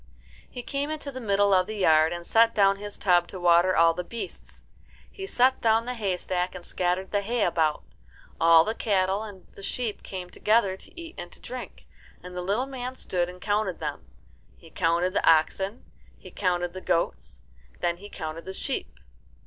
He came into the middle of the yard, and set down his tub to water all the beasts. He set down the haystack and scattered the hay about. All the cattle and the sheep came together to eat and to drink, and the little man stood and counted them. He counted the oxen, he counted the goats, and then he counted the sheep.